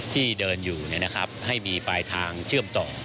ที่เดินอยู่ให้มีปลายทางเชื่อมต่อ